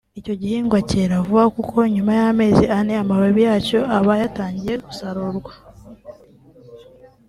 Icyo gihingwa cyera vuba kuko nyuma y’amezi ane amababi yacyo aba yatangiye gusarurwa